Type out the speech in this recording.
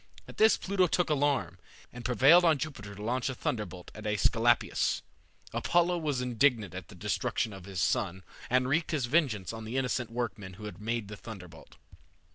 At this Pluto took alarm, and prevailed on Jupiter to launch a thunderbolt at Aesculapius. Apollo was indignant at the destruction of his son, and wreaked his vengeance on the innocent workmen who had made the thunderbolt.